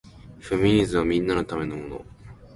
フェミニズムはみんなのためのもの